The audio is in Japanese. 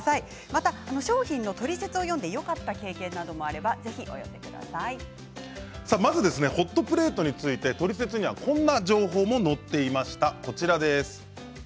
また商品のトリセツを読んでよかった経験などもあればまずはホットプレートについてトリセツにはこんな情報も載っていました。